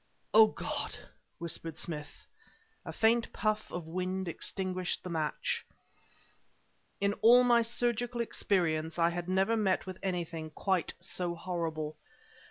"Oh, God!" whispered Smith. A faint puff of wind extinguished the match. In all my surgical experience I had never met with anything quite so horrible.